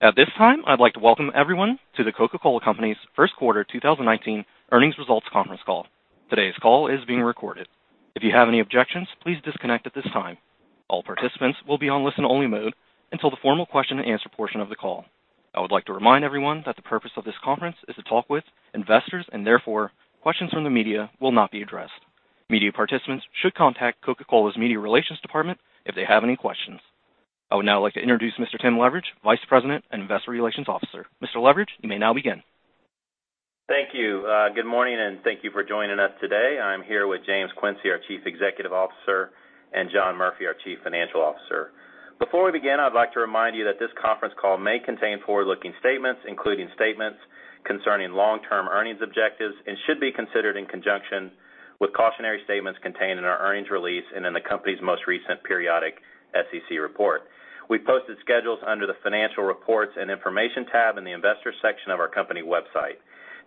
At this time, I'd like to welcome everyone to The Coca-Cola Company's first quarter 2019 earnings results conference call. Today's call is being recorded. If you have any objections, please disconnect at this time. All participants will be on listen-only mode until the formal question and answer portion of the call. I would like to remind everyone that the purpose of this conference is to talk with investors. Therefore, questions from the media will not be addressed. Media participants should contact Coca-Cola's media relations department if they have any questions. I would now like to introduce Mr. Tim Leveridge, Vice President and Investor Relations Officer. Mr. Leveridge, you may now begin. Thank you. Good morning. Thank you for joining us today. I'm here with James Quincey, our Chief Executive Officer, and John Murphy, our Chief Financial Officer. Before we begin, I'd like to remind you that this conference call may contain forward-looking statements, including statements concerning long-term earnings objectives and should be considered in conjunction with cautionary statements contained in our earnings release and in the company's most recent periodic SEC report. We've posted schedules under the financial reports and information tab in the investor section of our company website.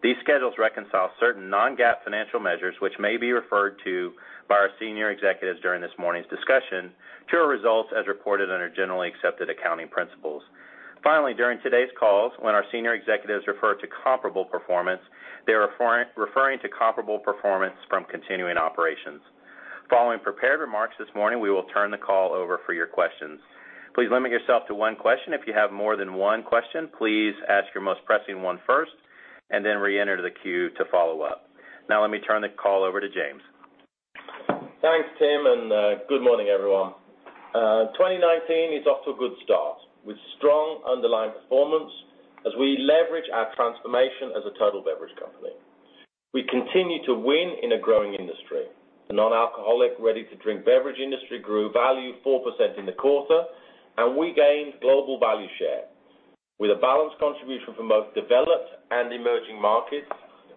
These schedules reconcile certain non-GAAP financial measures, which may be referred to by our senior executives during this morning's discussion to our results as reported under generally accepted accounting principles. Finally, during today's calls, when our senior executives refer to comparable performance, they're referring to comparable performance from continuing operations. Following prepared remarks this morning, we will turn the call over for your questions. Please limit yourself to one question. If you have more than one question, please ask your most pressing one first and then reenter the queue to follow up. Now let me turn the call over to James. Thanks, Tim. Good morning, everyone. 2019 is off to a good start with strong underlying performance as we leverage our transformation as a total beverage company. We continue to win in a growing industry. The non-alcoholic, ready-to-drink beverage industry grew value 4% in the quarter. We gained global value share with a balanced contribution from both developed and emerging markets,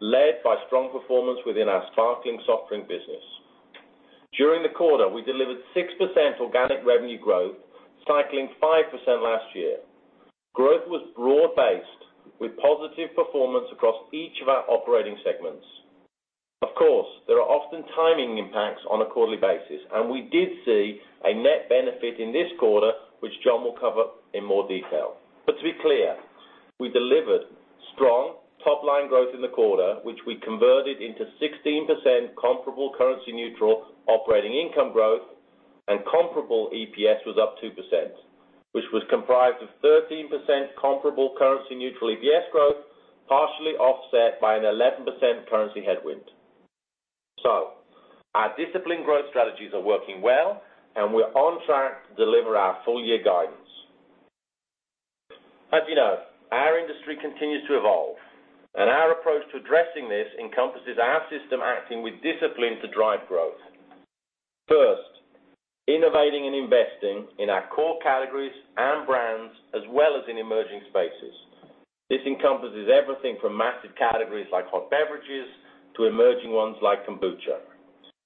led by strong performance within our sparkling soft drink business. During the quarter, we delivered 6% organic revenue growth, cycling 5% last year. Growth was broad-based with positive performance across each of our operating segments. Of course, there are often timing impacts on a quarterly basis. We did see a net benefit in this quarter, which John will cover in more detail. To be clear, we delivered strong top-line growth in the quarter, which we converted into 16% comparable currency-neutral operating income growth, and comparable EPS was up 2%, which was comprised of 13% comparable currency-neutral EPS growth, partially offset by an 11% currency headwind. Our disciplined growth strategies are working well, and we're on track to deliver our full-year guidance. As you know, our industry continues to evolve, and our approach to addressing this encompasses our system acting with discipline to drive growth. First, innovating and investing in our core categories and brands, as well as in emerging spaces. This encompasses everything from massive categories like hot beverages to emerging ones like kombucha,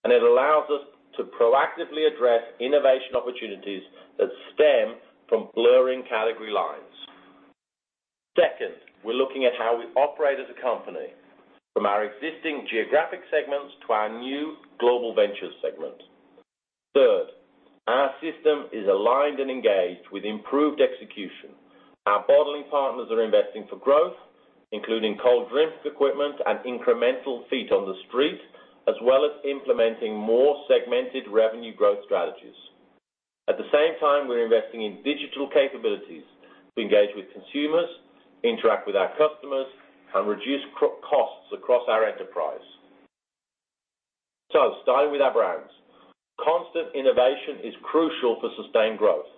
and it allows us to proactively address innovation opportunities that stem from blurring category lines. Second, we're looking at how we operate as a company, from our existing geographic segments to our new Global Ventures segment. Third, our system is aligned and engaged with improved execution. Our bottling partners are investing for growth, including cold drink equipment and incremental feet on the street, as well as implementing more segmented revenue growth strategies. At the same time, we're investing in digital capabilities to engage with consumers, interact with our customers, and reduce costs across our enterprise. Starting with our brands. Constant innovation is crucial for sustained growth.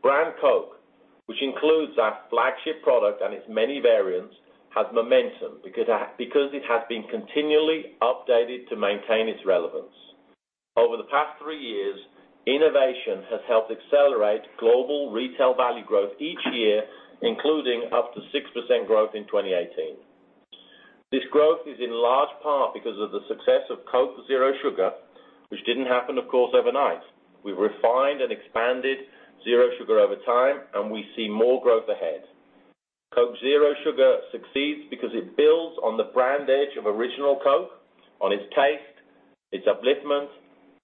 Brand Coke, which includes our flagship product and its many variants, has momentum because it has been continually updated to maintain its relevance. Over the past three years, innovation has helped accelerate global retail value growth each year, including up to 6% growth in 2018. This growth is in large part because of the success of Coke Zero Sugar, which didn't happen, of course, overnight. We refined and expanded Zero Sugar over time, and we see more growth ahead. Coke Zero Sugar succeeds because it builds on the brand edge of original Coke, on its taste, its upliftment,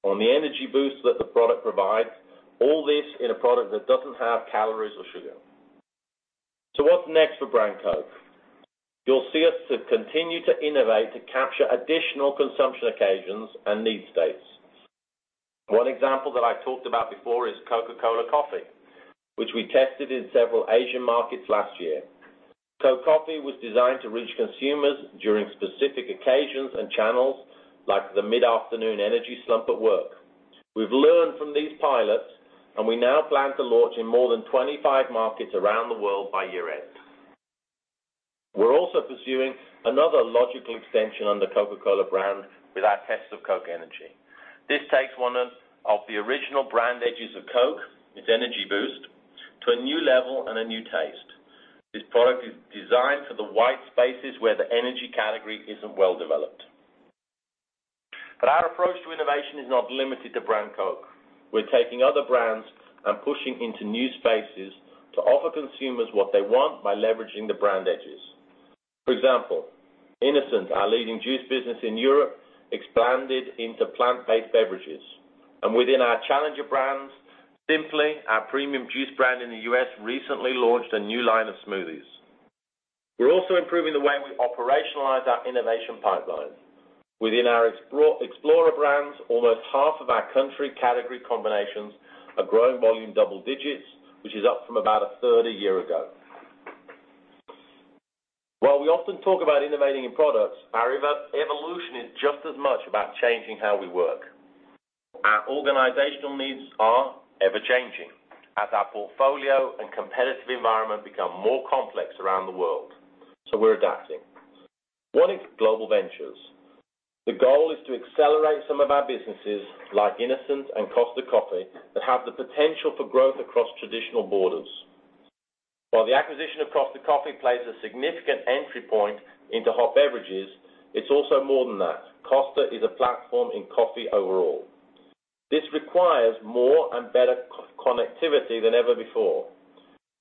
on the energy boost that the product provides, all this in a product that doesn't have calories or sugar. What's next for Brand Coke? You'll see us to continue to innovate to capture additional consumption occasions and need states. One example that I talked about before is Coca-Cola Coffee, which we tested in several Asian markets last year. Coke Coffee was designed to reach consumers during specific occasions and channels, like the mid-afternoon energy slump at work. We've learned from these pilots, and we now plan to launch in more than 25 markets around the world by year-end. We're also pursuing another logical extension on the Coca-Cola brand with our tests of Coke Energy. This takes one of the original brand edges of Coke, its energy boost, to a new level and a new taste. This product is designed for the wide spaces where the energy category isn't well-developed. Our approach to innovation is not limited to Brand Coke. We're taking other brands and pushing into new spaces to offer consumers what they want by leveraging the brand edges. For example, innocent, our leading juice business in Europe, expanded into plant-based beverages. Within our challenger brands, Simply, our premium juice brand in the U.S., recently launched a new line of smoothies. We're also improving the way we operationalize our innovation pipeline. Within our explorer brands, almost half of our country category combinations are growing volume double digits, which is up from about a third a year ago. While we often talk about innovating in products, our evolution is just as much about changing how we work. Our organizational needs are ever-changing, as our portfolio and competitive environment become more complex around the world, so we're adapting. One is Global Ventures. The goal is to accelerate some of our businesses, like innocent and Costa Coffee, that have the potential for growth across traditional borders. While the acquisition of Costa Coffee plays a significant entry point into hot beverages, it's also more than that. Costa is a platform in coffee overall. This requires more and better connectivity than ever before.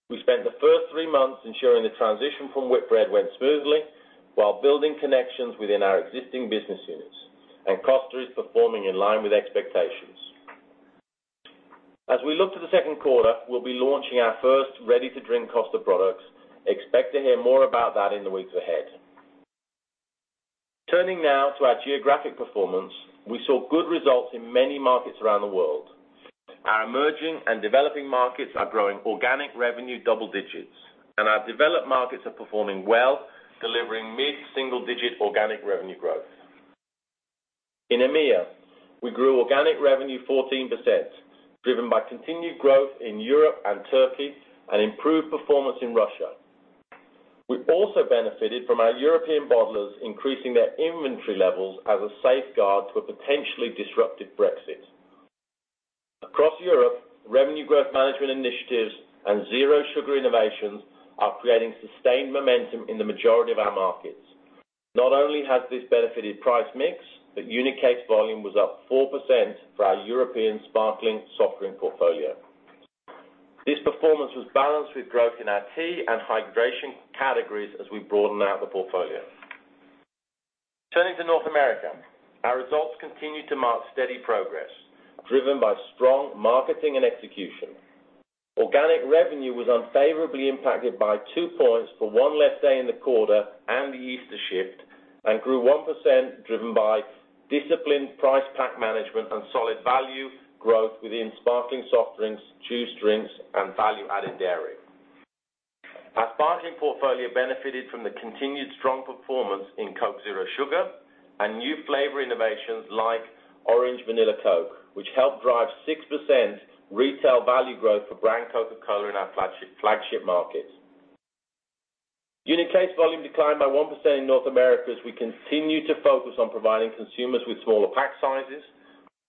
We spent the first three months ensuring the transition from Whitbread went smoothly while building connections within our existing business units, and Costa is performing in line with expectations. As we look to the second quarter, we'll be launching our first ready-to-drink Costa products. Expect to hear more about that in the weeks ahead. Turning now to our geographic performance, we saw good results in many markets around the world. Our emerging and developing markets are growing organic revenue double digits, and our developed markets are performing well, delivering mid-single digit organic revenue growth. In EMEA, we grew organic revenue 14%, driven by continued growth in Europe and Turkey and improved performance in Russia. We also benefited from our European bottlers increasing their inventory levels as a safeguard to a potentially disruptive Brexit. Across Europe, revenue growth management initiatives and zero sugar innovations are creating sustained momentum in the majority of our markets. Not only has this benefited price mix, but unit case volume was up 4% for our European sparkling soft drink portfolio. This performance was balanced with growth in our tea and hydration categories as we broaden out the portfolio. Turning to North America, our results continue to mark steady progress driven by strong marketing and execution. Organic revenue was unfavorably impacted by two points for one less day in the quarter and the Easter shift, and grew 1% driven by disciplined price pack management and solid value growth within sparkling soft drinks, juice drinks, and value-added dairy. Our sparkling portfolio benefited from the continued strong performance in Coke Zero Sugar and new flavor innovations like Orange Vanilla Coke, which helped drive 6% retail value growth for brand Coca-Cola in our flagship markets. Unit case volume declined by 1% in North America as we continue to focus on providing consumers with smaller pack sizes.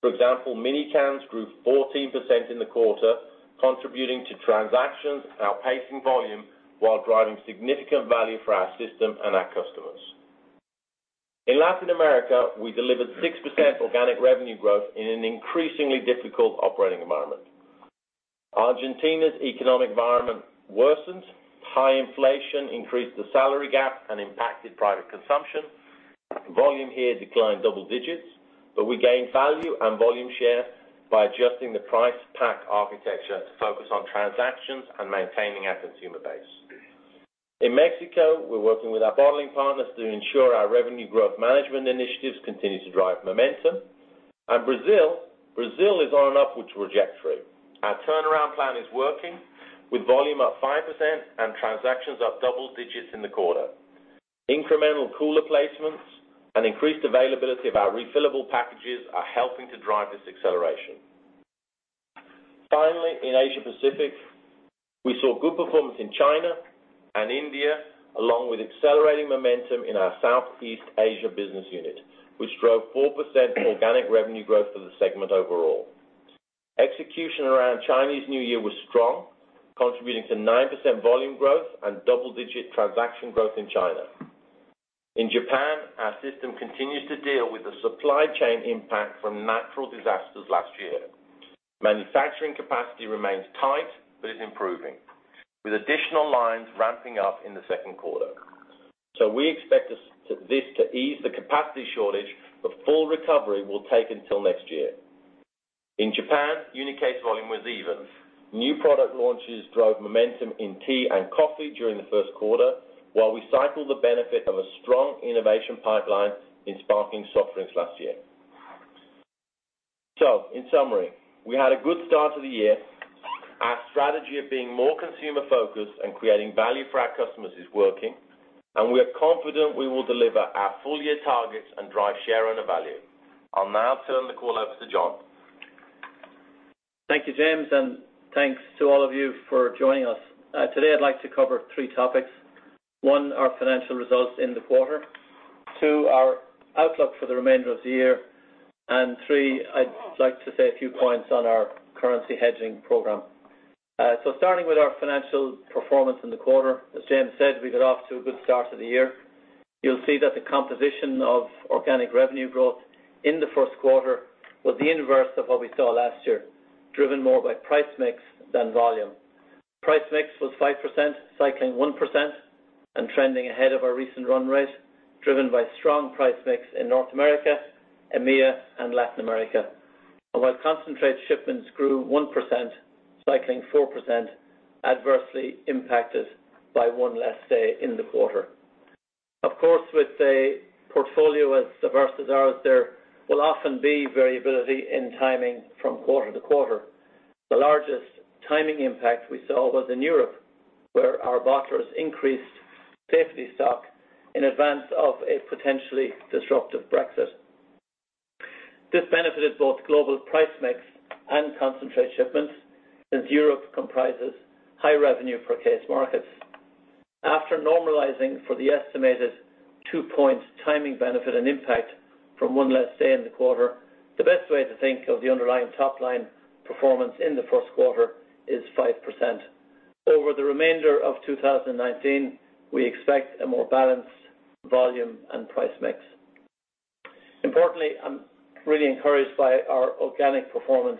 For example, mini cans grew 14% in the quarter, contributing to transactions outpacing volume while driving significant value for our system and our customers. In Latin America, we delivered 6% organic revenue growth in an increasingly difficult operating environment. Argentina's economic environment worsened. High inflation increased the salary gap and impacted private consumption. Volume here declined double digits, but we gained value and volume share by adjusting the price pack architecture to focus on transactions and maintaining our consumer base. In Mexico, we're working with our bottling partners to ensure our revenue growth management initiatives continue to drive momentum. Brazil is on an upward trajectory. Our turnaround plan is working with volume up 5% and transactions up double digits in the quarter. Incremental cooler placements and increased availability of our refillable packages are helping to drive this acceleration. Finally, in Asia Pacific, we saw good performance in China and India, along with accelerating momentum in our Southeast Asia business unit, which drove 4% organic revenue growth for the segment overall. Execution around Chinese New Year was strong, contributing to 9% volume growth and double-digit transaction growth in China. In Japan, our system continues to deal with the supply chain impact from natural disasters last year. Manufacturing capacity remains tight but is improving, with additional lines ramping up in the second quarter. We expect this to ease the capacity shortage, but full recovery will take until next year. In Japan, unit case volume was even. New product launches drove momentum in tea and coffee during the first quarter, while we cycled the benefit of a strong innovation pipeline in sparkling soft drinks last year. In summary, we had a good start to the year. Our strategy of being more consumer focused and creating value for our customers is working, and we are confident we will deliver our full year targets and drive shareowner value. I'll now turn the call over to John. Thank you, James, and thanks to all of you for joining us. Today, I'd like to cover three topics. One, our financial results in the quarter. Two, our outlook for the remainder of the year, and three, I'd like to say a few points on our currency hedging program. Starting with our financial performance in the quarter, as James said, we got off to a good start to the year. You'll see that the composition of organic revenue growth in the first quarter was the inverse of what we saw last year. Driven more by price mix than volume. Price mix was 5%, cycling 1%, and trending ahead of our recent run rate, driven by strong price mix in North America, EMEA, and Latin America. While concentrate shipments grew 1%, cycling 4%, adversely impacted by one less day in the quarter. Of course, with a portfolio as diverse as ours, there will often be variability in timing from quarter to quarter. The largest timing impact we saw was in Europe, where our bottlers increased safety stock in advance of a potentially disruptive Brexit. This benefited both global price mix and concentrate shipments since Europe comprises high revenue per case markets. After normalizing for the estimated two-point timing benefit and impact from one less day in the quarter, the best way to think of the underlying top-line performance in the first quarter is 5%. Over the remainder of 2019, we expect a more balanced volume and price mix. Importantly, I'm really encouraged by our organic performance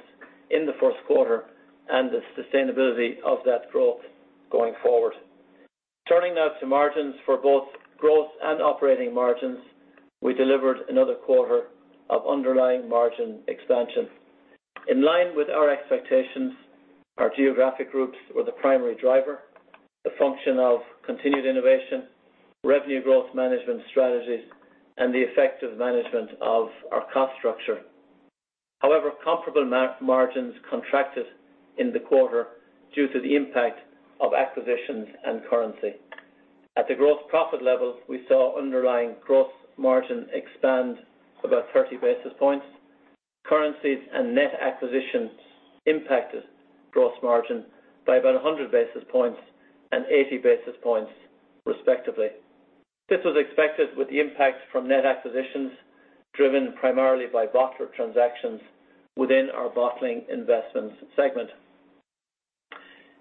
in the first quarter and the sustainability of that growth going forward. Turning now to margins for both growth and operating margins, we delivered another quarter of underlying margin expansion. In line with our expectations, our geographic groups were the primary driver, a function of continued innovation, revenue growth management strategies, and the effective management of our cost structure. However, comparable margins contracted in the quarter due to the impact of acquisitions and currency. At the gross profit level, we saw underlying gross margin expand about 30 basis points. Currencies and net acquisitions impacted gross margin by about 100 basis points and 80 basis points, respectively. This was expected with the impact from net acquisitions driven primarily by bottler transactions within our bottling investments segment.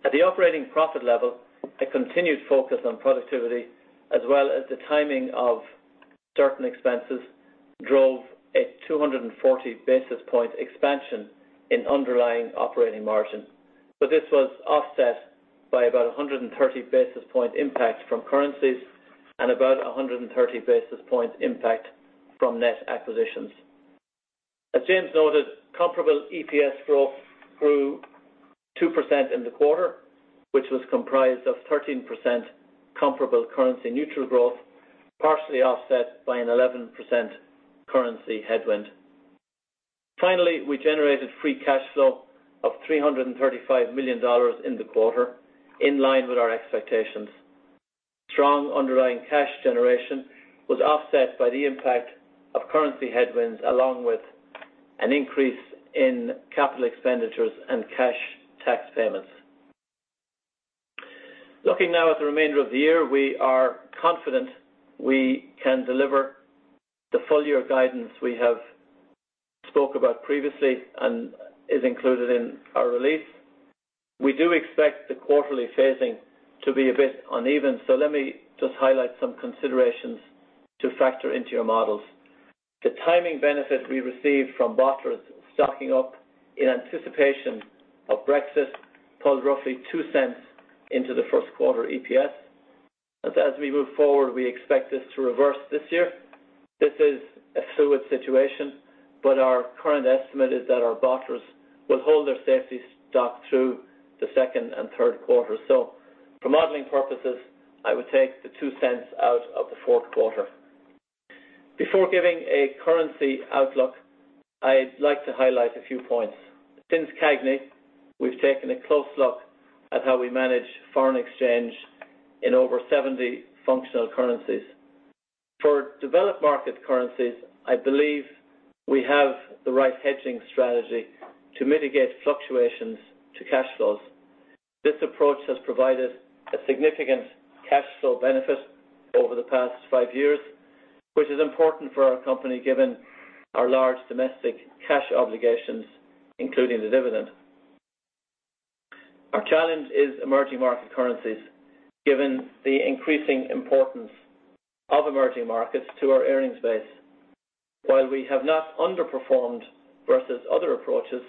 At the operating profit level, a continued focus on productivity, as well as the timing of certain expenses, drove a 240 basis point expansion in underlying operating margin. This was offset by about 130 basis point impact from currencies and about 130 basis points impact from net acquisitions. As James noted, comparable EPS growth grew 2% in the quarter, which was comprised of 13% comparable currency-neutral growth, partially offset by an 11% currency headwind. Finally, we generated free cash flow of $335 million in the quarter, in line with our expectations. Strong underlying cash generation was offset by the impact of currency headwinds, along with an increase in capital expenditures and cash tax payments. Looking now at the remainder of the year, we are confident we can deliver the full-year guidance we have spoke about previously and is included in our release. We do expect the quarterly phasing to be a bit uneven, so let me just highlight some considerations to factor into your models. The timing benefit we received from bottlers stocking up in anticipation of Brexit pulled roughly $0.02 into the first quarter EPS. As we move forward, we expect this to reverse this year. This is a fluid situation, but our current estimate is that our bottlers will hold their safety stock through the second and third quarter. For modeling purposes, I would take the $0.02 out of the fourth quarter. Before giving a currency outlook, I'd like to highlight a few points. Since CAGNY, we've taken a close look at how we manage foreign exchange in over 70 functional currencies. For developed market currencies, I believe we have the right hedging strategy to mitigate fluctuations to cash flows. This approach has provided a significant cash flow benefit over the past five years, which is important for our company given our large domestic cash obligations, including the dividend. Our challenge is emerging market currencies, given the increasing importance of emerging markets to our earnings base. While we have not underperformed versus other approaches,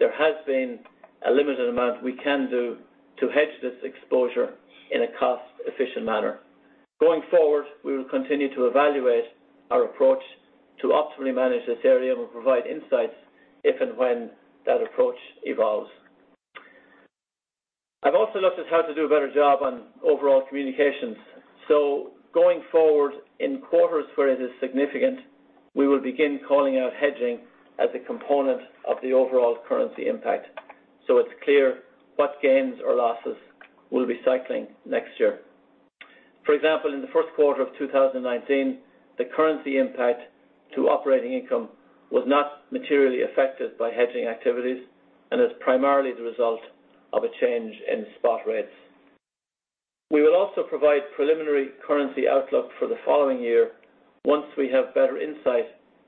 there has been a limited amount we can do to hedge this exposure in a cost-efficient manner. Going forward, we will continue to evaluate our approach to optimally manage this area and will provide insights if and when that approach evolves. I've also looked at how to do a better job on overall communications. Going forward, in quarters where it is significant, we will begin calling out hedging as a component of the overall currency impact, so it's clear what gains or losses we'll be cycling next year. For example, in the first quarter of 2019, the currency impact to operating income was not materially affected by hedging activities and is primarily the result of a change in spot rates. We will also provide preliminary currency outlook for the following year once we have better insight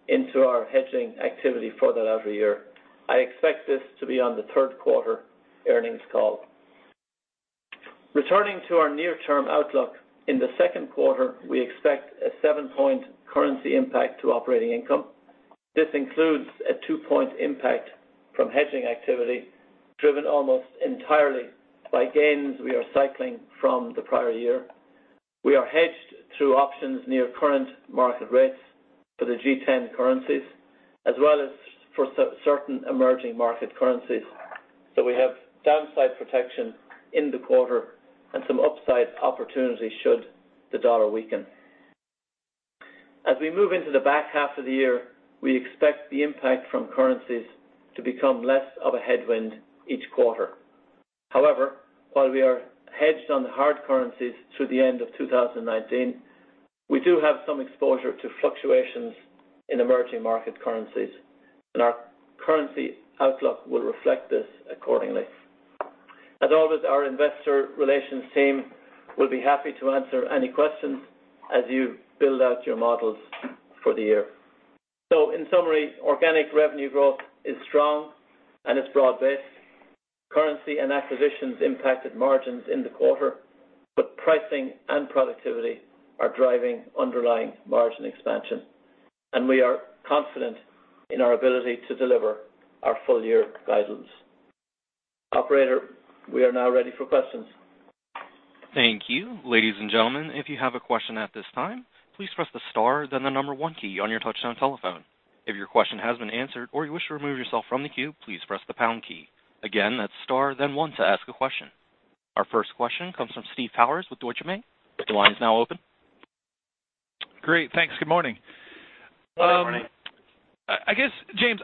into our hedging activity for that every year. I expect this to be on the third quarter earnings call. Returning to our near-term outlook, in the second quarter, we expect a 7-point currency impact to operating income. This includes a two-point impact from hedging activity, driven almost entirely by gains we are cycling from the prior year. We are hedged through options near current market rates for the G10 currencies, as well as for certain emerging market currencies. We have downside protection in the quarter and some upside opportunities should the dollar weaken. As we move into the back half of the year, we expect the impact from currencies to become less of a headwind each quarter. However, while we are hedged on the hard currencies through the end of 2019, we do have some exposure to fluctuations in emerging market currencies. Our currency outlook will reflect this accordingly. As always, our investor relations team will be happy to answer any questions as you build out your models for the year. In summary, organic revenue growth is strong, and it's broad-based. Currency and acquisitions impacted margins in the quarter, but pricing and productivity are driving underlying margin expansion. We are confident in our ability to deliver our full-year guidance. Operator, we are now ready for questions. Thank you. Ladies and gentlemen, if you have a question at this time, please press the star then the number 1 key on your touch-tone telephone. If your question has been answered or you wish to remove yourself from the queue, please press the pound key. Again, that's star then one to ask a question. Our first question comes from Steve Powers with Deutsche Bank. Your line is now open. Great. Thanks. Good morning. Good morning. James,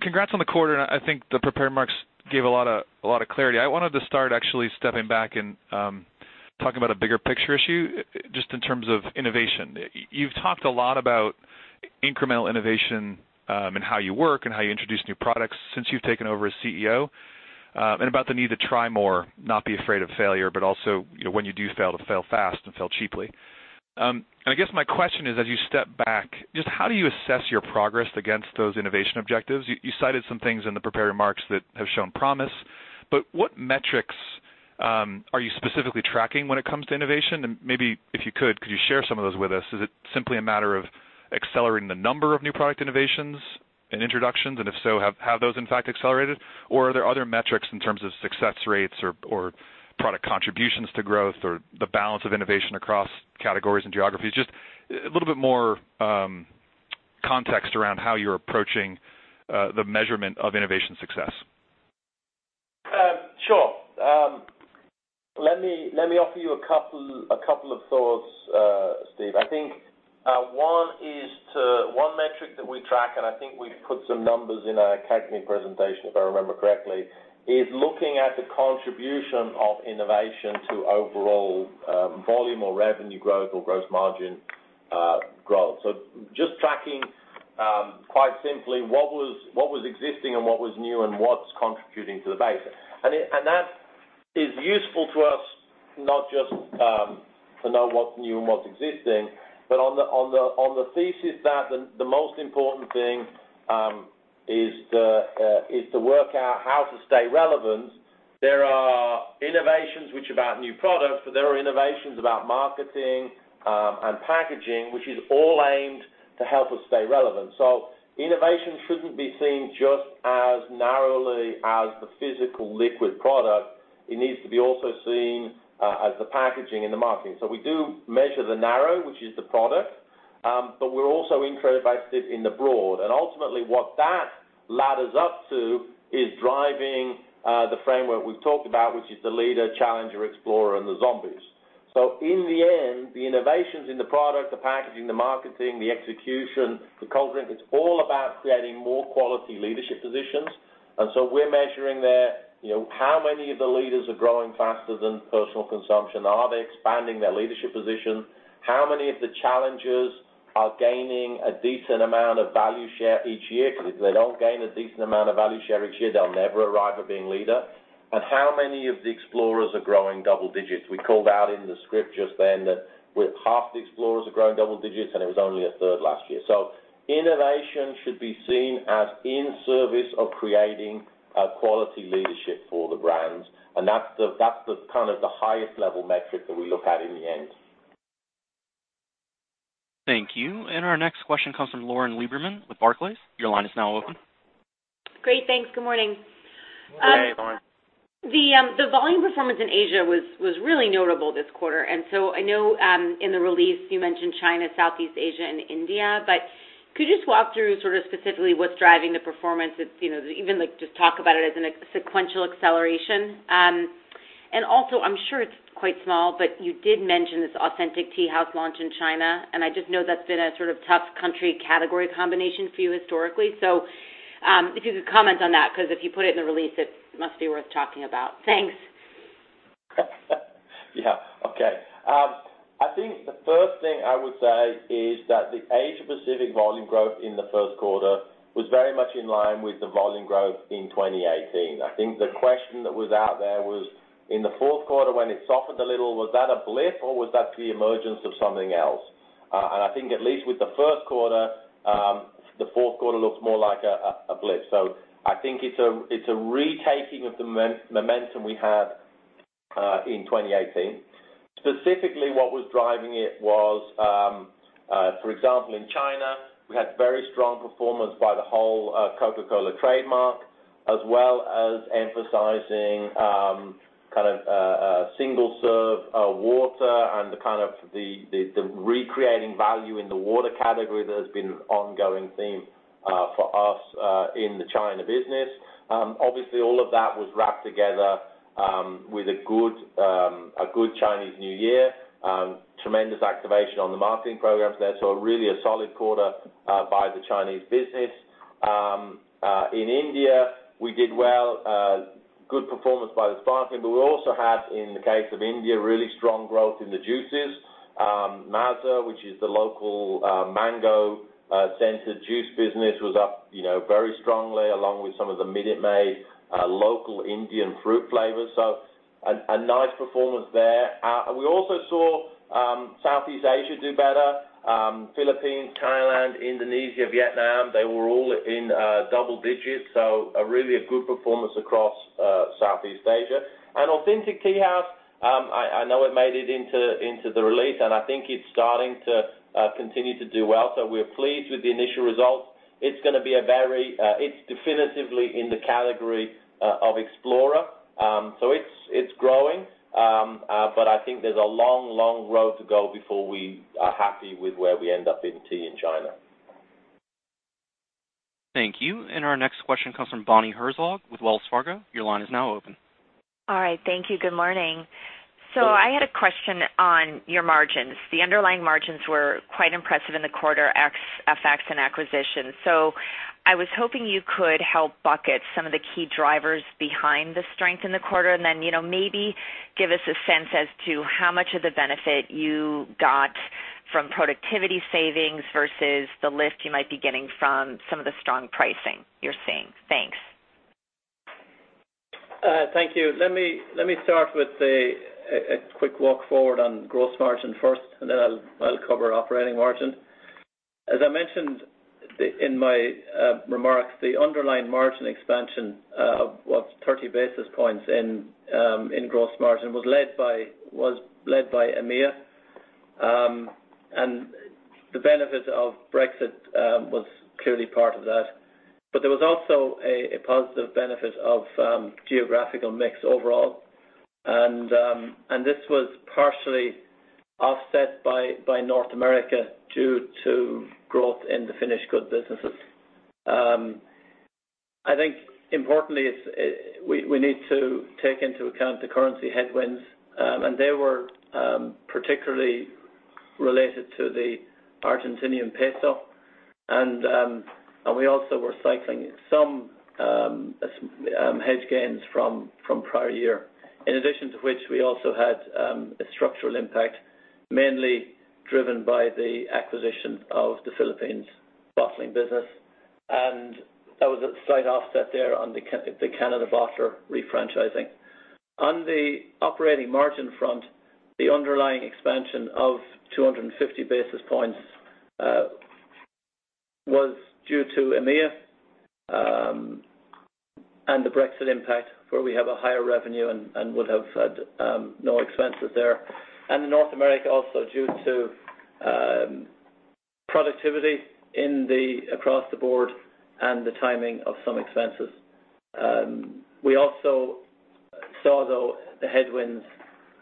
congrats on the quarter. I think the prepared remarks gave a lot of clarity. I wanted to start actually stepping back and talk about a bigger picture issue, just in terms of innovation. You've talked a lot about incremental innovation, and how you work and how you introduce new products since you've taken over as CEO, and about the need to try more, not be afraid of failure, but also when you do fail, to fail fast and fail cheaply. I guess my question is, as you step back, just how do you assess your progress against those innovation objectives? You cited some things in the prepared remarks that have shown promise, but what metrics are you specifically tracking when it comes to innovation? Maybe, if you could share some of those with us? Is it simply a matter of accelerating the number of new product innovations and introductions? If so, have those in fact accelerated? Are there other metrics in terms of success rates or product contributions to growth or the balance of innovation across categories and geographies? Just a little bit more context around how you're approaching the measurement of innovation success. Sure. Let me offer you a couple of thoughts, Steve. I think one metric that we track, and I think we put some numbers in our category presentation, if I remember correctly, is looking at the contribution of innovation to overall volume or revenue growth or gross margin growth. Just tracking, quite simply, what was existing and what was new and what's contributing to the base. That is useful to us, not just to know what's new and what's existing, but on the thesis that the most important thing is to work out how to stay relevant. There are innovations which are about new products, but there are innovations about marketing and packaging, which is all aimed to help us stay relevant. Innovation shouldn't be seen just as narrowly as the physical liquid product. It needs to be also seen as the packaging and the marketing. We do measure the narrow, which is the product, but we're also interested in the broad. Ultimately what that ladders up to is driving the framework we've talked about, which is the leader, challenger, explorer, and the zombies. In the end, the innovations in the product, the packaging, the marketing, the execution for cold drink, it's all about creating more quality leadership positions. We're measuring there how many of the leaders are growing faster than personal consumption. Are they expanding their leadership position? How many of the challengers are gaining a decent amount of value share each year? Because if they don't gain a decent amount of value share each year, they'll never arrive at being leader. How many of the explorers are growing double digits? We called out in the script just then that half the explorers are growing double digits, and it was only a third last year. Innovation should be seen as in service of creating quality leadership for the brands. That's the highest level metric that we look at in the end. Thank you. Our next question comes from Lauren Lieberman with Barclays. Your line is now open. Great. Thanks. Good morning. Good day, Lauren. The volume performance in Asia was really notable this quarter. I know in the release you mentioned China, Southeast Asia, and India, but could you just walk through specifically what's driving the performance? Even just talk about it as a sequential acceleration. Also, I'm sure it's quite small, but you did mention this Authentic Tea House launch in China, and I just know that's been a tough country category combination for you historically. So if you could comment on that, because if you put it in the release, it must be worth talking about. Thanks. Yeah. Okay. I think the first thing I would say is that the Asia Pacific volume growth in the first quarter was very much in line with the volume growth in 2018. I think the question that was out there was in the fourth quarter when it softened a little, was that a blip, or was that the emergence of something else? I think at least with the first quarter, the fourth quarter looks more like a blip. I think it's a retaking of the momentum we had in 2018. Specifically, what was driving it was, for example, in China, we had very strong performance by the whole Coca-Cola trademark, as well as emphasizing kind of single-serve water and the recreating value in the water category that has been an ongoing theme for us in the China business. Obviously, all of that was wrapped together with a good Chinese New Year. Tremendous activation on the marketing programs there. Really a solid quarter by the Chinese business. In India, we did well. Good performance by the sparkling, but we also had, in the case of India, really strong growth in the juices. Maaza, which is the local mango-centered juice business, was up very strongly, along with some of the Minute Maid local Indian fruit flavors. A nice performance there. We also saw Southeast Asia do better. Philippines, Thailand, Indonesia, Vietnam, they were all in double digits, really a good performance across Southeast Asia. Authentic Tea House, I know it made it into the release, and I think it's starting to continue to do well. We're pleased with the initial results. It's definitively in the category of explorer. It's growing, but I think there's a long road to go before we are happy with where we end up in tea in China. Thank you. Our next question comes from Bonnie Herzog with Wells Fargo. Your line is now open. All right. Thank you. Good morning. Good morning. I had a question on your margins. The underlying margins were quite impressive in the quarter ex-effects and acquisitions. I was hoping you could help bucket some of the key drivers behind the strength in the quarter and then maybe give us a sense as to how much of the benefit you got from productivity savings versus the lift you might be getting from some of the strong pricing you're seeing. Thanks. Thank you. Let me start with a quick walk forward on gross margin first. Then I'll cover operating margin. As I mentioned in my remarks, the underlying margin expansion of what, 30 basis points in gross margin was led by EMEA. The benefit of Brexit was clearly part of that. There was also a positive benefit of geographical mix overall. This was partially offset by North America due to growth in the finished goods businesses. I think importantly, we need to take into account the currency headwinds, and they were particularly related to the Argentinian peso, and we also were cycling some hedge gains from prior year. In addition to which, we also had a structural impact, mainly driven by the acquisition of the Philippines bottling business, and that was a slight offset there on the Canada bottler refranchising. On the operating margin front, the underlying expansion of 250 basis points was due to EMEA. The Brexit impact, where we have a higher revenue and would have had no expenses there. In North America, also due to productivity across the board and the timing of some expenses. We also saw, though, the headwinds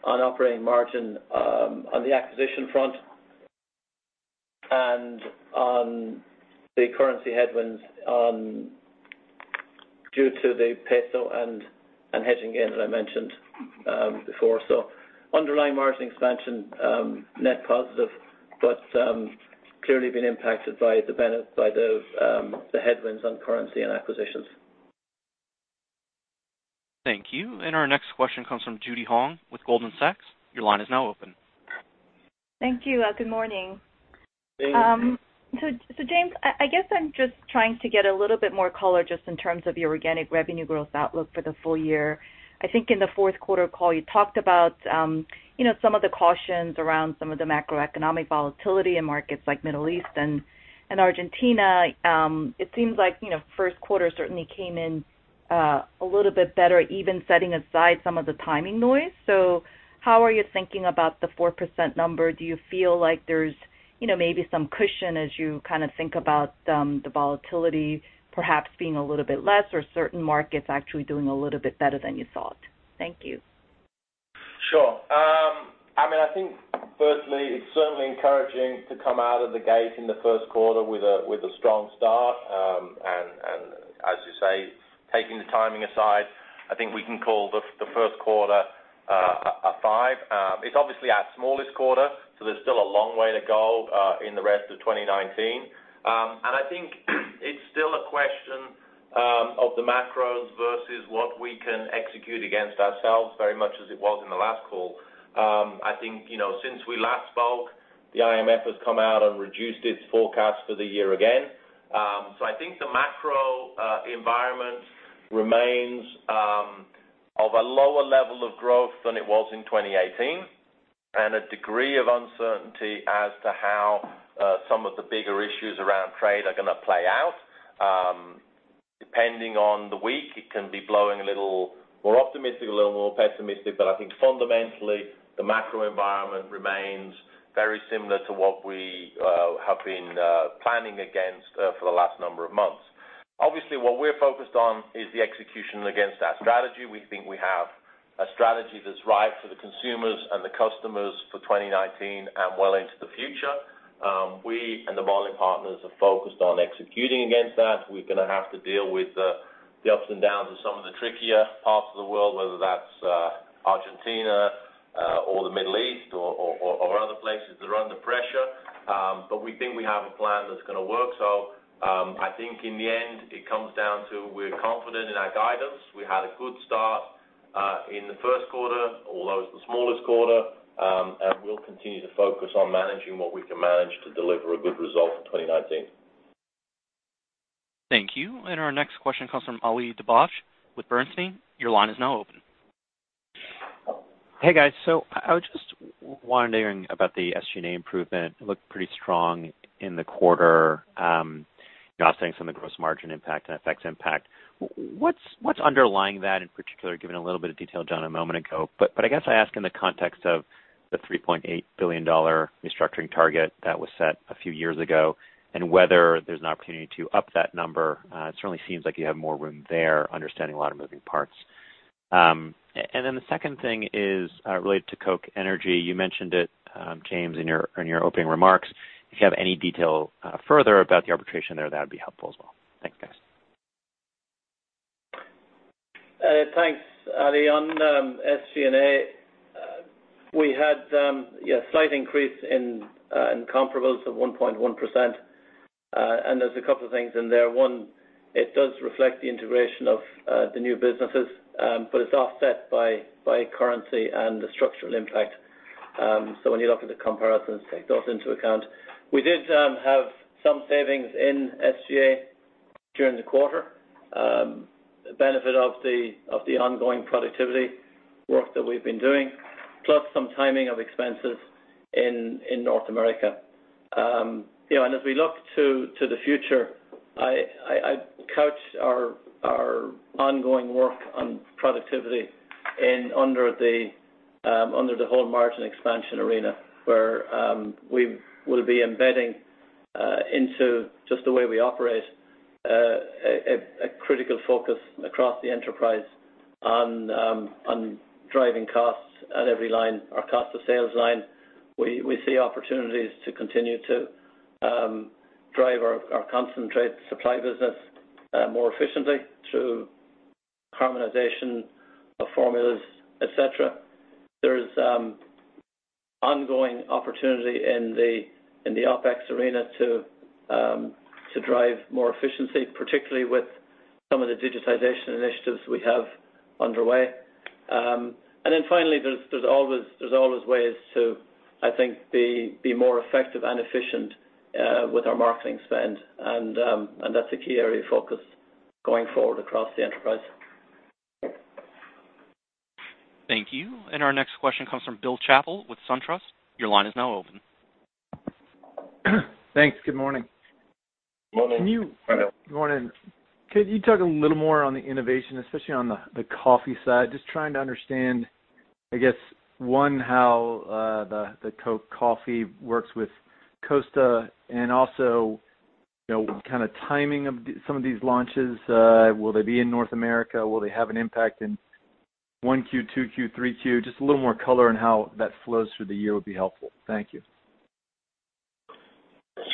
on operating margin on the acquisition front and on the currency headwinds due to the peso and hedging gain that I mentioned before. Underlying margin expansion, net positive, but clearly been impacted by the headwinds on currency and acquisitions. Thank you. Our next question comes from Judy Hong with Goldman Sachs. Your line is now open. Thank you. Good morning. Hey. James, I guess I'm just trying to get a little bit more color just in terms of your organic revenue growth outlook for the full year. I think in the fourth quarter call, you talked about some of the cautions around some of the macroeconomic volatility in markets like Middle East and Argentina. It seems like first quarter certainly came in a little bit better, even setting aside some of the timing noise. How are you thinking about the 4% number? Do you feel like there's maybe some cushion as you think about the volatility perhaps being a little bit less or certain markets actually doing a little bit better than you thought? Thank you. Sure. I think firstly, it's certainly encouraging to come out of the gate in the first quarter with a strong start. As you say, taking the timing aside, I think we can call the first quarter a 5. It's obviously our smallest quarter, so there's still a long way to go in the rest of 2019. I think it's still a question of the macros versus what we can execute against ourselves very much as it was in the last call. I think since we last spoke, the IMF has come out and reduced its forecast for the year again. I think the macro environment remains Of a lower level of growth than it was in 2018, a degree of uncertainty as to how some of the bigger issues around trade are going to play out. Depending on the week, it can be blowing a little more optimistic, a little more pessimistic, I think fundamentally, the macro environment remains very similar to what we have been planning against for the last number of months. Obviously, what we're focused on is the execution against that strategy. We think we have a strategy that's right for the consumers and the customers for 2019 and well into the future. We and the bottling partners are focused on executing against that. We're going to have to deal with the ups and downs of some of the trickier parts of the world, whether that's Argentina or the Middle East or other places that are under pressure. We think we have a plan that's going to work. I think in the end, it comes down to we're confident in our guidance. We had a good start in the first quarter, although it was the smallest quarter, and we'll continue to focus on managing what we can manage to deliver a good result for 2019. Thank you. Our next question comes from Ali Dibadj with Bernstein. Your line is now open. Hey, guys. I was just wondering about the SG&A improvement. It looked pretty strong in the quarter. Offsetting some of the gross margin impact and FX impact. What's underlying that in particular, giving a little bit of detail, John, a moment ago, but I guess I ask in the context of the $3.8 billion restructuring target that was set a few years ago, and whether there's an opportunity to up that number. It certainly seems like you have more room there, understanding a lot of moving parts. Then the second thing is related to Coca-Cola Energy. You mentioned it, James, in your opening remarks. If you have any detail further about the arbitration there, that would be helpful as well. Thanks, guys. Thanks, Ali. On SG&A, we had, yeah, a slight increase in comparables of 1.1%, there's a couple of things in there. One, it does reflect the integration of the new businesses, but it's offset by currency and the structural impact. When you look at the comparisons, take those into account. We did have some savings in SG&A during the quarter, the benefit of the ongoing productivity work that we've been doing, plus some timing of expenses in North America. As we look to the future, I'd couch our ongoing work on productivity under the whole margin expansion arena, where we will be embedding into just the way we operate a critical focus across the enterprise on driving costs at every line, our cost of sales line. We see opportunities to continue to drive our concentrate supply business more efficiently through harmonization of formulas, et cetera. There is ongoing opportunity in the OPEX arena to drive more efficiency, particularly with some of the digitization initiatives we have underway. Finally, there's always ways to, I think, be more effective and efficient with our marketing spend. That's a key area of focus going forward across the enterprise. Thank you. Our next question comes from Bill Chappell with SunTrust. Your line is now open. Thanks. Good morning. Morning. Can you- Hi, Bill. Morning. Could you talk a little more on the innovation, especially on the coffee side? Just trying to understand, I guess, one, how the Coke Coffee works with Costa and also, what kind of timing of some of these launches. Will they be in North America? Will they have an impact in 1Q, 2Q, 3Q? Just a little more color on how that flows through the year would be helpful. Thank you.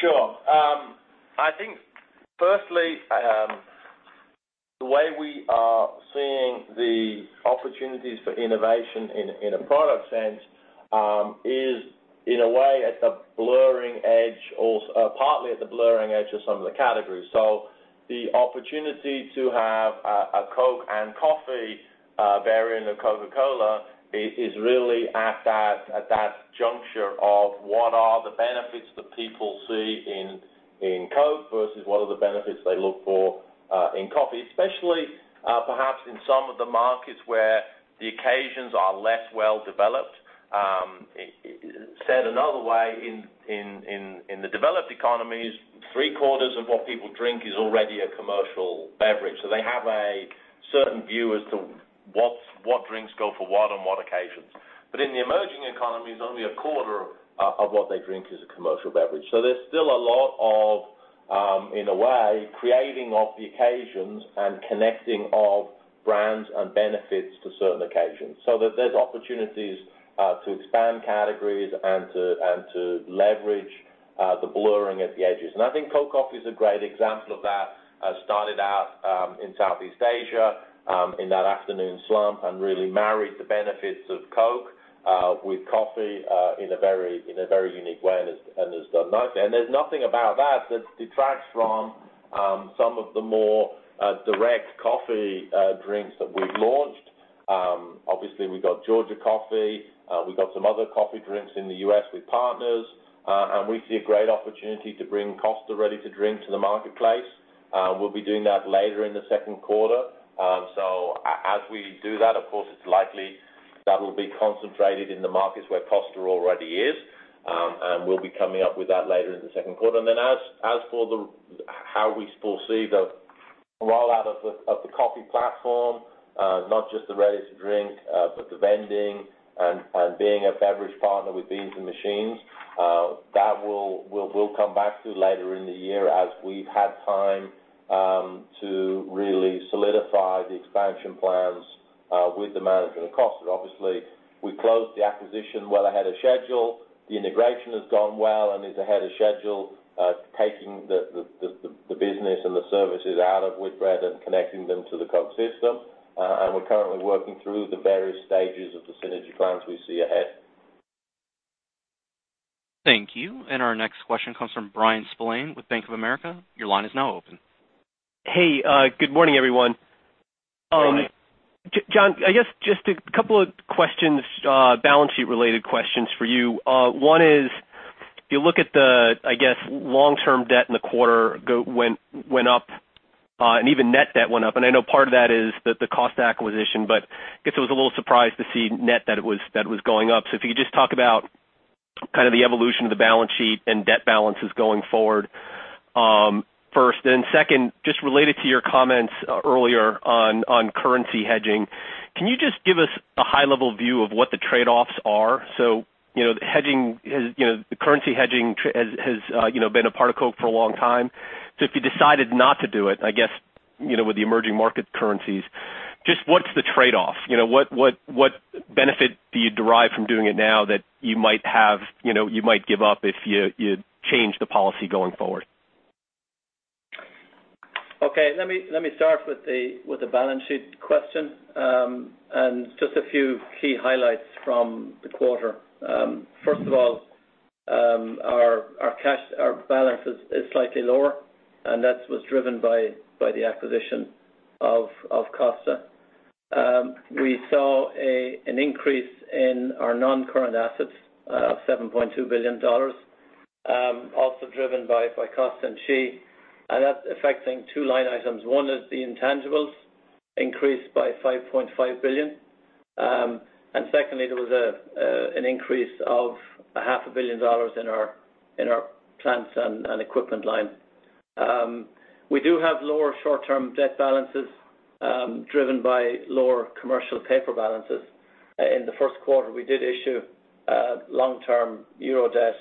Sure. I think firstly, the way we are seeing the opportunities for innovation in a product sense is in a way at the blurring edge, partly at the blurring edge of some of the categories. The opportunity to have a Coke and coffee variant of Coca-Cola is really at that juncture of what are the benefits that people see in Coke versus what are the benefits they look for in coffee. Especially perhaps in some of the markets where the occasions are less well-developed. Said another way, in the developed economies, three-quarters of what people drink is already a commercial beverage. They have a certain view as to what drinks go for what on what occasions. In the emerging economies, only a quarter of what they drink is a commercial beverage. There's still a lot of, in a way, creating of the occasions and connecting of brands and benefits to certain occasions, so that there's opportunities to expand categories and to leverage the blurring at the edges. I think Coke Coffee is a great example of that. Started out in Southeast Asia in that afternoon slump and really married the benefits of Coke with coffee in a very unique way, and has done nicely. There's nothing about that that detracts from some of the more direct coffee drinks that we've launched. Obviously, we've got Georgia Coffee. We've got some other coffee drinks in the U.S. with partners. We see a great opportunity to bring Costa ready to drink to the marketplace. We'll be doing that later in the second quarter. As we do that, of course, it's likely that will be concentrated in the markets where Costa already is. We'll be coming up with that later in the second quarter. As for how we foresee the rollout of the coffee platform, not just the ready-to-drink, but the vending and being a beverage partner with beans and machines, that we'll come back to later in the year as we've had time to really solidify the expansion plans with the management of Costa. Obviously, we closed the acquisition well ahead of schedule. The integration has gone well and is ahead of schedule, taking the business and the services out of Whitbread and connecting them to the Coke system. We're currently working through the various stages of the synergy plans we see ahead. Thank you. Our next question comes from Bryan Spillane with Bank of America. Your line is now open. Hey, good morning, everyone. Hi. John, I guess just a couple of balance sheet related questions for you. One is, you look at the, I guess, long-term debt in the quarter went up, and even net debt went up. I know part of that is the Costa acquisition, but I guess it was a little surprise to see net debt that was going up. If you could just talk about the evolution of the balance sheet and debt balances going forward first. Then second, just related to your comments earlier on currency hedging, can you just give us a high level view of what the trade-offs are? The currency hedging has been a part of Coke for a long time. If you decided not to do it, I guess, with the emerging market currencies, just what's the trade-off? What benefit do you derive from doing it now that you might give up if you change the policy going forward? Okay, let me start with the balance sheet question. Just a few key highlights from the quarter. First of all, our balance is slightly lower. That was driven by the acquisition of Costa. We saw an increase in our non-current assets of $7.2 billion, also driven by Costa and Chi. That's affecting two line items. One is the intangibles increased by $5.5 billion. Secondly, there was an increase of a half a billion dollars in our plants and equipment line. We do have lower short-term debt balances, driven by lower commercial paper balances. In the first quarter, we did issue long-term euro debt,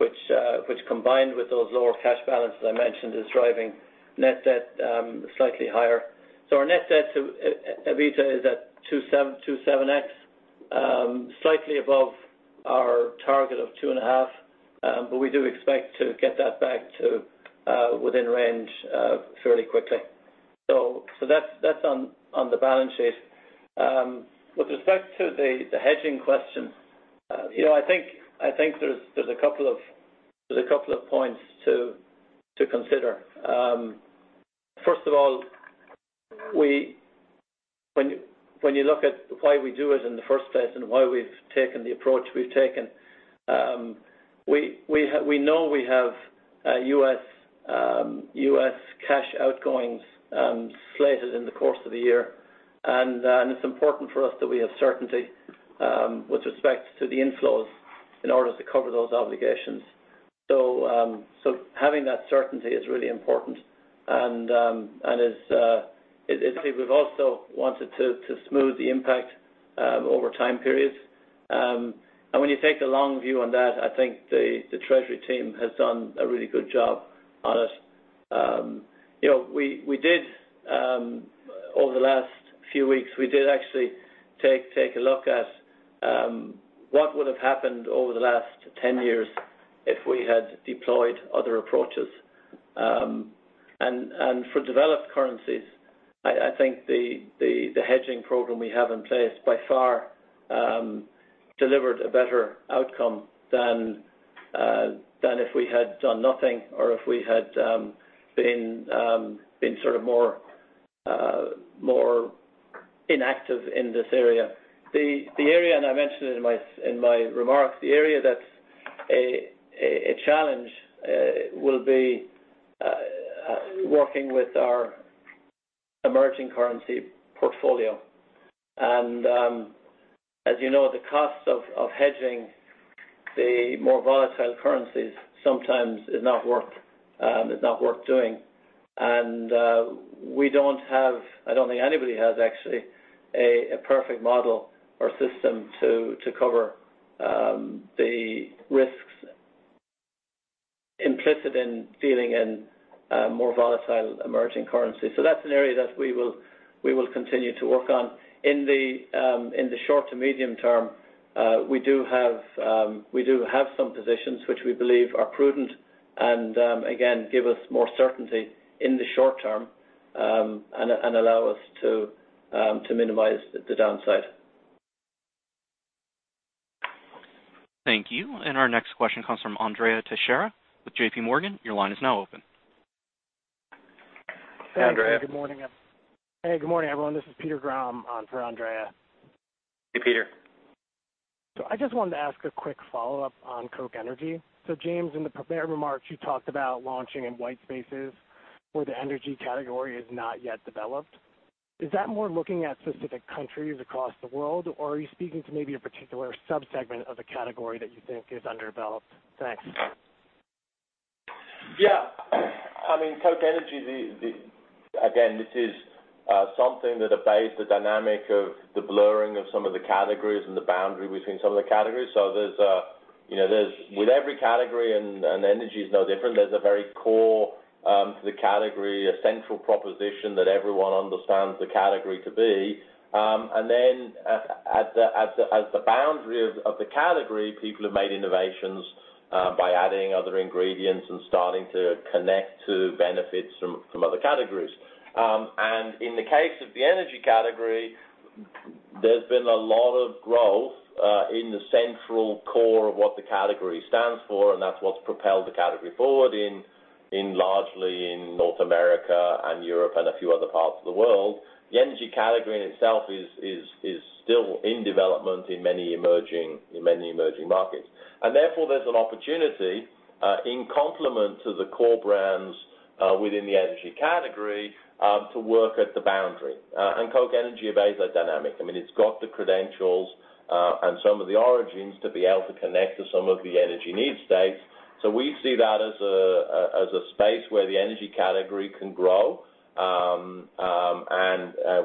which combined with those lower cash balances I mentioned, is driving net debt slightly higher. Our net debt to EBITDA is at 2.7x, slightly above our target of two and a half. We do expect to get that back to within range fairly quickly. That's on the balance sheet. With respect to the hedging question, I think there's a couple of points to consider. First of all, when you look at why we do it in the first place and why we've taken the approach we've taken, we know we have U.S. cash outgoings slated in the course of the year. It's important for us that we have certainty with respect to the inflows in order to cover those obligations. Having that certainty is really important. We've also wanted to smooth the impact over time periods. When you take the long view on that, I think the treasury team has done a really good job on it. Over the last few weeks, we did actually take a look at what would have happened over the last 10 years if we had deployed other approaches. For developed currencies, I think the hedging program we have in place by far delivered a better outcome than if we had done nothing or if we had been more inactive in this area. The area, I mentioned it in my remarks, the area that's a challenge will be working with our emerging currency portfolio. As you know, the cost of hedging the more volatile currencies sometimes is not worth doing. We don't have, I don't think anybody has actually, a perfect model or system to cover the risks implicit in dealing in more volatile emerging currencies. That's an area that we will continue to work on. In the short to medium term, we do have some positions which we believe are prudent and again, give us more certainty in the short term, and allow us to minimize the downside. Thank you. Our next question comes from Andrea Teixeira with JPMorgan. Your line is now open. Hey, Andrea. Hey, good morning, everyone. This is Peter Grom for Andrea. Hey, Peter. I just wanted to ask a quick follow-up on Coca-Cola Energy. James, in the prepared remarks, you talked about launching in white spaces where the energy category is not yet developed. Is that more looking at specific countries across the world, or are you speaking to maybe a particular sub-segment of the category that you think is underdeveloped? Thanks. Yeah. Coca-Cola Energy, again, this is something that obeys the dynamic of the blurring of some of the categories and the boundary between some of the categories. With every category, and energy is no different, there's a very core to the category, a central proposition that everyone understands the category to be. Then at the boundary of the category, people have made innovations by adding other ingredients and starting to connect to benefits from other categories. In the case of the energy category, there's been a lot of growth in the central core of what the category stands for, and that's what's propelled the category forward largely in North America and Europe and a few other parts of the world. The energy category in itself is still in development in many emerging markets. Therefore, there's an opportunity, in complement to the core brands within the energy category, to work at the boundary. Coca-Cola Energy obeys that dynamic. It's got the credentials and some of the origins to be able to connect to some of the energy need states. We see that as a space where the energy category can grow.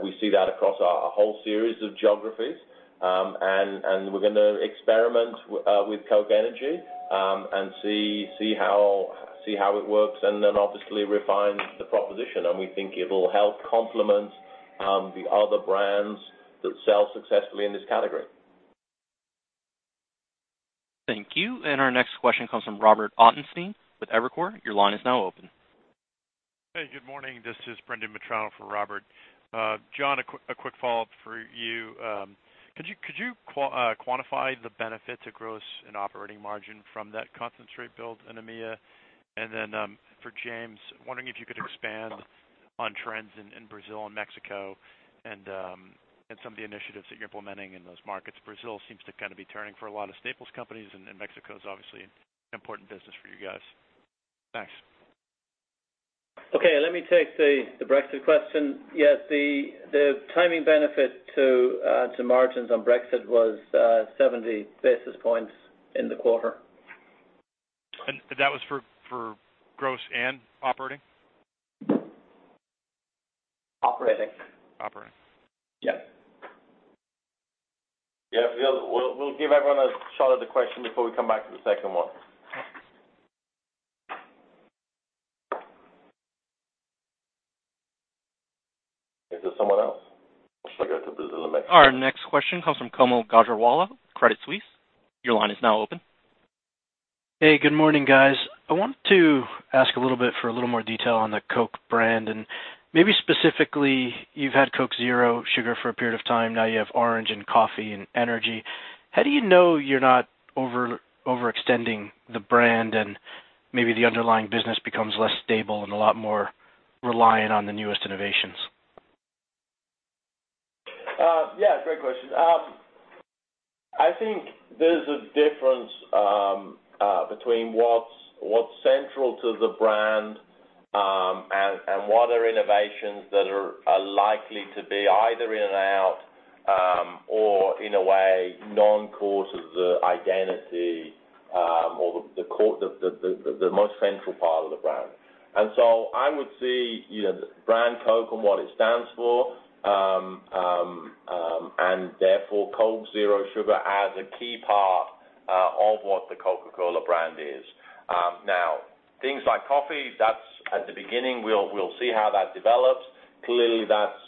We see that across a whole series of geographies. We're going to experiment with Coca-Cola Energy and see how it works and then obviously refine the proposition. We think it'll help complement the other brands that sell successfully in this category. Thank you. Our next question comes from Robert Ottenstein with Evercore. Your line is now open. Hey, good morning. This is Brendan Metrano for Robert. John, a quick follow-up for you. Could you quantify the benefit to gross and operating margin from that concentrate build in EMEA? Then, for James, wondering if you could expand on trends in Brazil and Mexico and some of the initiatives that you're implementing in those markets. Brazil seems to be turning for a lot of staples companies, and Mexico is obviously an important business for you guys. Thanks. Okay, let me take the Brexit question. Yes, the timing benefit to margins on Brexit was 70 basis points in the quarter. That was for gross and operating? Operating. Operating. Yeah. Yeah. We'll give everyone a shot at the question before we come back to the second one. Is there someone else? Our next question comes from Kaumil Gajrawala, Credit Suisse. Your line is now open. Hey, good morning, guys. I wanted to ask a little bit for a little more detail on the Coke brand, and maybe specifically, you've had Coke Zero Sugar for a period of time. Now you have Orange and Coffee and Energy. How do you know you're not overextending the brand and maybe the underlying business becomes less stable and a lot more reliant on the newest innovations? Yeah, great question. I think there's a difference between what's central to the brand and what are innovations that are likely to be either in and out or in a way non-core to the identity or the most central part of the brand. So I would see the brand Coke and what it stands for, and therefore Coke Zero Sugar, as a key part of what The Coca-Cola brand is. Now, things like Coffee, that's at the beginning. We'll see how that develops. Clearly, that's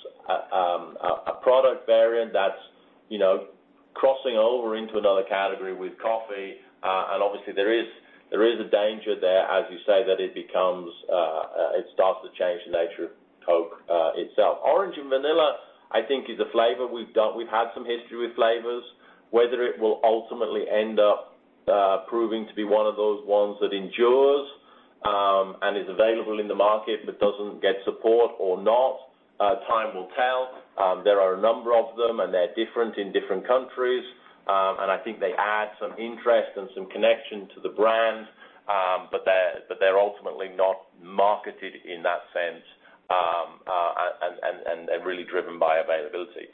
a product variant that's crossing over into another category with coffee. Obviously there is a danger there, as you say, that it starts to change the nature of Coke itself. Orange and vanilla, I think is a flavor. We've had some history with flavors. Whether it will ultimately end up proving to be one of those ones that endures and is available in the market but doesn't get support or not, time will tell. There are a number of them, and they're different in different countries. I think they add some interest and some connection to the brand. They're ultimately not marketed in that sense, and they're really driven by availability.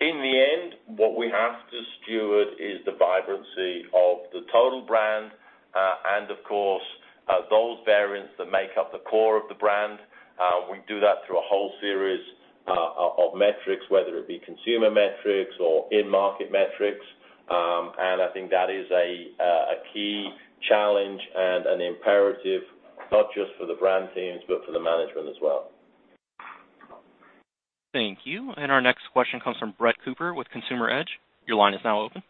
In the end, what we have to steward is the vibrancy of the total brand, and of course, those variants that make up the core of the brand. We do that through a whole series of metrics, whether it be consumer metrics or in-market metrics. I think that is a key challenge and an imperative, not just for the brand teams, but for the management as well. Thank you. Our next question comes from Brett Cooper with Consumer Edge. Your line is now open.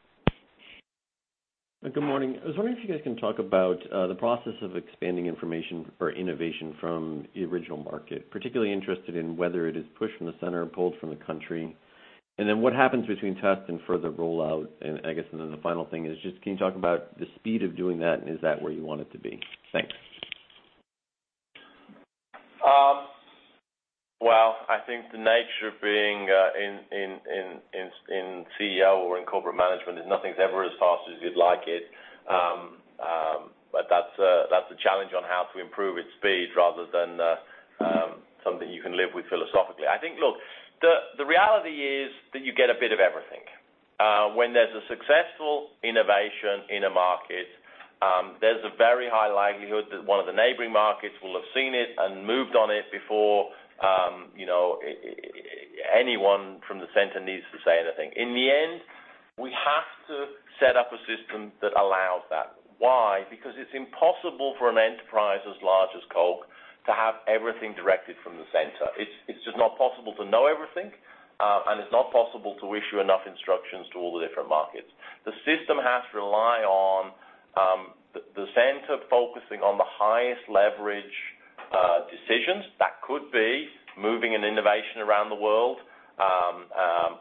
Good morning. I was wondering if you guys can talk about the process of expanding information for innovation from the original market, particularly interested in whether it is pushed from the center or pulled from the country. What happens between test and further rollout. The final thing is just, can you talk about the speed of doing that, and is that where you want it to be? Thanks. Well, I think the nature of being in CEO or in corporate management is nothing's ever as fast as you'd like it. That's a challenge on how to improve its speed rather than something you can live with philosophically. I think, look, the reality is that you get a bit of everything. When there's a successful innovation in a market, there's a very high likelihood that one of the neighboring markets will have seen it and moved on it before anyone from the center needs to say anything. In the end, we have to set up a system that allows that. Why? Because it's impossible for an enterprise as large as Coke to have everything directed from the center. It's just not possible to know everything, and it's not possible to issue enough instructions to all the different markets. The system has to rely on the center focusing on the highest leverage decisions. That could be moving an innovation around the world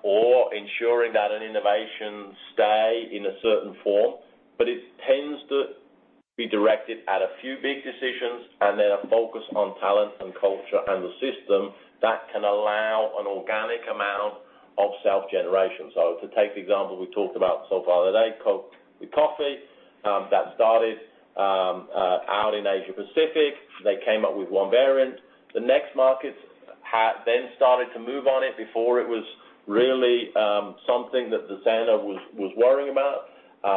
or ensuring that an innovation stay in a certain form. It tends to be directed at a few big decisions and then a focus on talent and culture and the system that can allow an organic amount of self-generation. To take the example we talked about so far today, Coke with Coffee, that started out in Asia Pacific. They came up with one variant. The next markets started to move on it before it was really something that the center was worrying about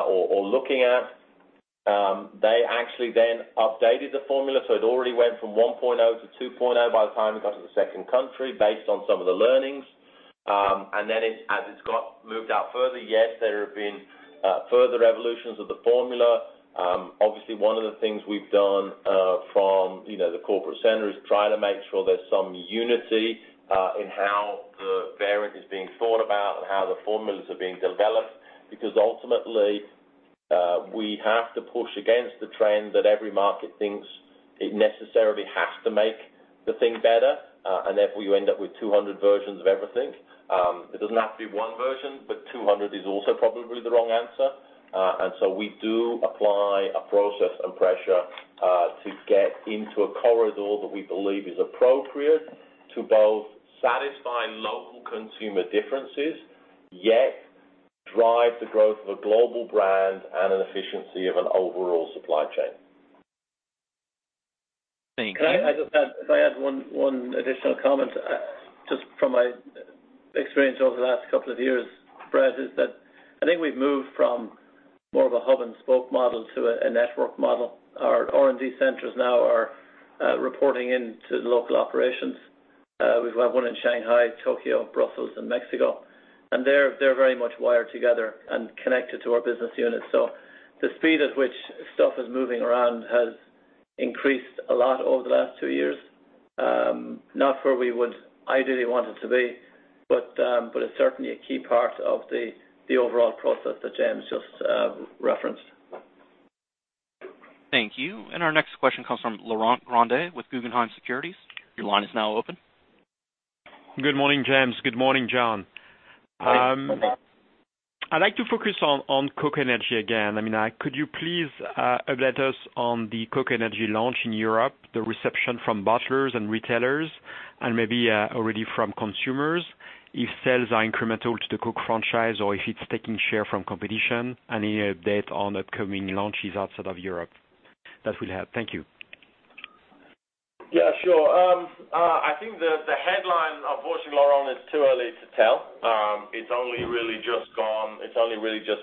or looking at. They actually updated the formula, so it already went from 1.0 to 2.0 by the time it got to the second country based on some of the learnings. As it's got moved out further, yes, there have been further evolutions of the formula. Obviously, one of the things we've done from the corporate center is try to make sure there's some unity in how the variant is being thought about and how the formulas are being developed, because ultimately, we have to push against the trend that every market thinks it necessarily has to make the thing better, and therefore you end up with 200 versions of everything. It doesn't have to be one version, but 200 is also probably the wrong answer. We do apply a process and pressure to get into a corridor that we believe is appropriate to both satisfy local consumer differences, yet drive the growth of a global brand and an efficiency of an overall supply chain. Thank you. Can I just add, if I add one additional comment, just from my experience over the last couple of years, Brett, is that I think we've moved from more of a hub-and-spoke model to a network model. Our R&D centers now are reporting in to the local operations. We've got one in Shanghai, Tokyo, Brussels, and Mexico. They're very much wired together and connected to our business units. The speed at which stuff is moving around has increased a lot over the last two years. Not where we would ideally want it to be, but it's certainly a key part of the overall process that James just referenced. Thank you. Our next question comes from Laurent Grandet with Guggenheim Securities. Your line is now open. Good morning, James. Good morning, John. I'd like to focus on Coca-Cola Energy again. Could you please update us on the Coca-Cola Energy launch in Europe, the reception from bottlers and retailers, and maybe already from consumers, if sales are incremental to the Coke franchise or if it's taking share from competition? Any update on upcoming launches outside of Europe? That will help. Thank you. Yeah, sure. I think the headline, unfortunately, Laurent, is too early to tell. It's only really just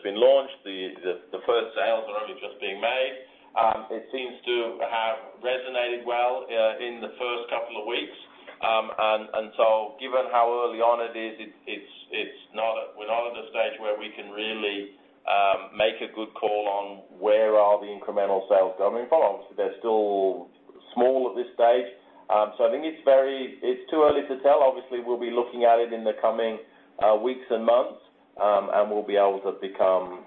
been launched. The first sales are only just being made. It seems to have resonated well in the first couple of weeks. Given how early on it is, we're not at a stage where we can really make a good call on where are the incremental sales going to fall. Obviously, they're still small at this stage. I think it's too early to tell. Obviously, we'll be looking at it in the coming weeks and months, and we'll be able to become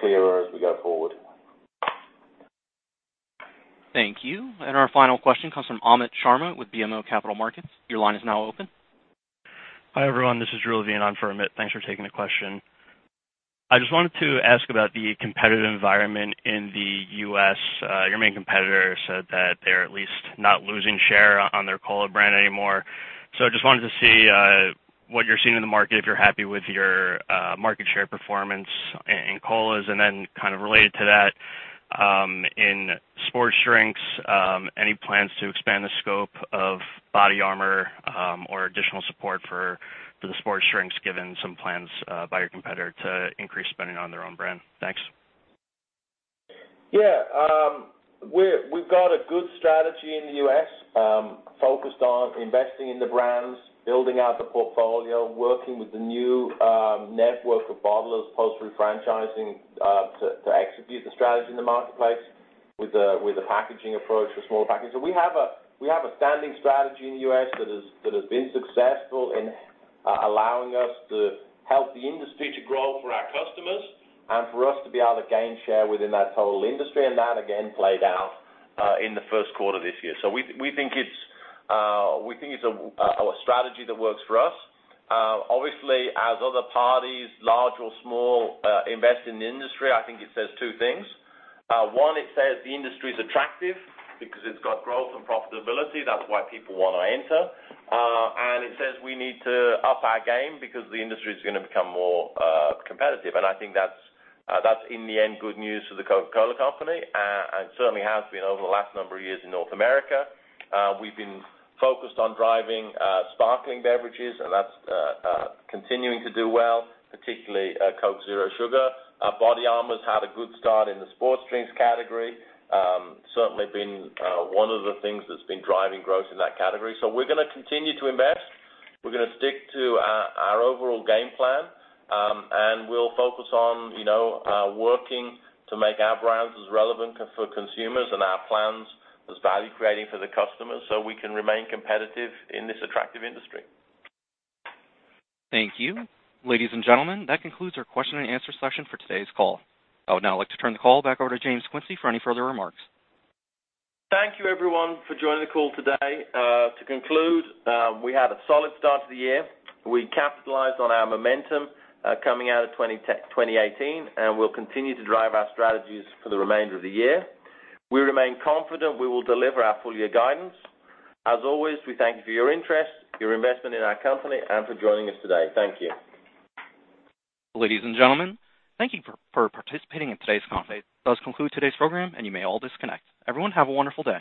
clearer as we go forward. Thank you. Our final question comes from Amit Sharma with BMO Capital Markets. Your line is now open. Hi, everyone. This is Jules on for Amit. Thanks for taking the question. I just wanted to ask about the competitive environment in the U.S. Your main competitor said that they're at least not losing share on their cola brand anymore. I just wanted to see what you're seeing in the market, if you're happy with your market share performance in colas. Kind of related to that, in sports drinks, any plans to expand the scope of BODYARMOR or additional support for the sports drinks, given some plans by your competitor to increase spending on their own brand? Thanks. Yeah. We've got a good strategy in the U.S. focused on investing in the brands, building out the portfolio, working with the new network of bottlers post refranchising to execute the strategy in the marketplace with a packaging approach for smaller packages. We have a standing strategy in the U.S. that has been successful in allowing us to help the industry to grow for our customers and for us to be able to gain share within that total industry. That again, played out in the first quarter this year. We think it's a strategy that works for us. Obviously, as other parties, large or small, invest in the industry, I think it says two things. One, it says the industry's attractive because it's got growth and profitability. That's why people want to enter. It says we need to up our game because the industry is going to become more competitive. I think that's, in the end, good news for The Coca-Cola Company, and certainly has been over the last number of years in North America. We've been focused on driving sparkling beverages, and that's continuing to do well, particularly Coke Zero Sugar. BODYARMOR's had a good start in the sports drinks category. Certainly been one of the things that's been driving growth in that category. We're going to continue to invest. We're going to stick to our overall game plan, and we'll focus on working to make our brands as relevant for consumers and our plans as value-creating for the customers so we can remain competitive in this attractive industry. Thank you. Ladies and gentlemen, that concludes our question and answer session for today's call. I would now like to turn the call back over to James Quincey for any further remarks. Thank you, everyone, for joining the call today. To conclude, we had a solid start to the year. We capitalized on our momentum coming out of 2018, and we'll continue to drive our strategies for the remainder of the year. We remain confident we will deliver our full-year guidance. As always, we thank you for your interest, your investment in our company, and for joining us today. Thank you. Ladies and gentlemen, thank you for participating in today's conference. That does conclude today's program, and you may all disconnect. Everyone, have a wonderful day.